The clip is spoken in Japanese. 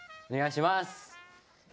お願いします。